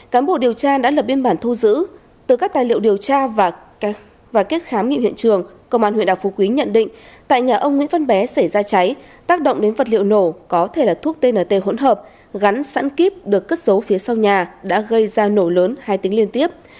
cán bộ điều tra đã lập biên bản thu giữ từ các tài liệu điều tra và kết khám nghiệm hiện trường công an huyện đảo phú quý nhận định tại nhà ông nguyễn văn bé xảy ra cháy tác động đến vật liệu nổ có thể là thuốc tnt hỗn hợp gắn sẵn kíp được cất giấu phía sau nhà đã gây ra nổ lớn hai tính liên tiếp